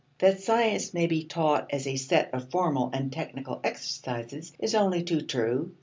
That science may be taught as a set of formal and technical exercises is only too true.